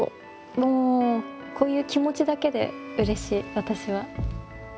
こういう気持ちだけでうれしい私は。